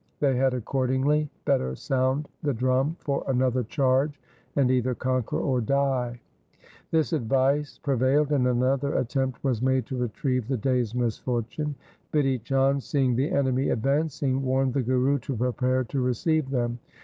They had accordingly better sound the drum for another charge, and either conquer or die. This advice prevailed, and another attempt was made to retrieve the day's misfortune. Bidhi Chand, seeing the enemy advancing, warned the Guru to prepare to receive them.